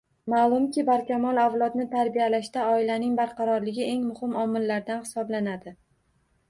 Malumki, barkamol avlodni tarbiyalashda oilaning barqarorligi eng muhim omillardan hisoblanadi